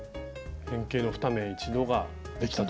変形の２目一度ができたと。